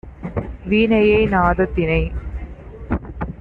வீணையை நாதத்தினை!